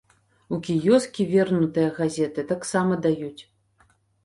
У кіёскі вернутыя газеты таксама даюць.